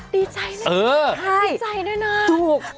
ดีใจด้วยน่ะดีใจด้วยน่ะใช่ถูกเออ